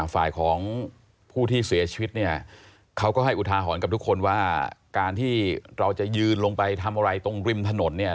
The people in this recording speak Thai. ฝ่ายของผู้ที่เสียชีวิตเนี่ยเขาก็ให้อุทาหรณ์กับทุกคนว่าการที่เราจะยืนลงไปทำอะไรตรงริมถนนเนี่ย